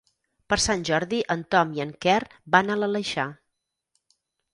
Per Sant Jordi en Tom i en Quer van a l'Aleixar.